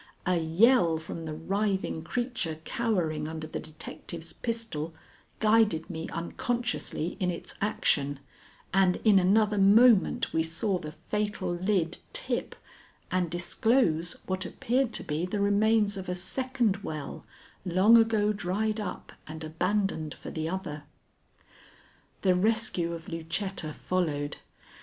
A yell from the writhing creature cowering under the detective's pistol guided me unconsciously in its action, and in another moment we saw the fatal lid tip and disclose what appeared to be the remains of a second well, long ago dried up and abandoned for the other. The rescue of Lucetta followed.